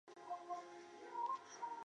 帕诺拉马是巴西圣保罗州的一个市镇。